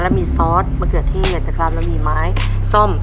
แล้วมีซอสมะเขือเทแล้วมีไม้ซ่อม